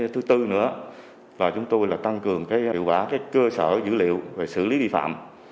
thứ tư nữa là chúng tôi tăng cường hiệu quả cơ sở dữ liệu về xử lý vi phạm